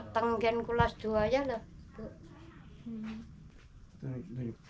tengah kan kulon dua ya loh